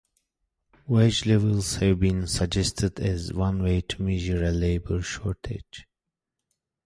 Wage levels have been suggested as one way to measure a labour shortage.